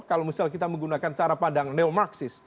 kalau misal kita menggunakan cara pandang neo marxist